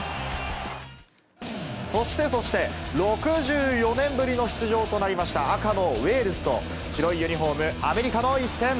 そしてそして、６４年ぶりの出場となりました赤のウェールズと、白いユニホーム、アメリカの一戦。